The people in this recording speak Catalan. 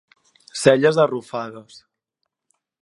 Celles arrufades.